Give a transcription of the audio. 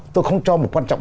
tôi không cho một quan trọng